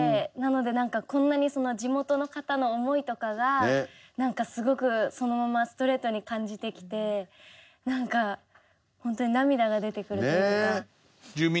なのでこんなに地元の方の思いとかがすごくそのままストレートに感じてきてホントに涙が出てくるというか。